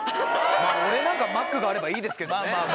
俺なんかマックがあればいいですけどね。